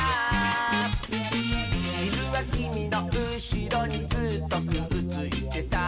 「ひるはきみのうしろにずっとくっついてさ」